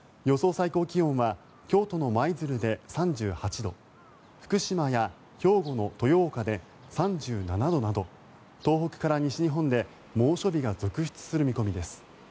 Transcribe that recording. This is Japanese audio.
最高気温は京都の舞鶴で３８度福島や兵庫の豊岡で３７度など東北から西日本で猛暑日が続出する見込みです。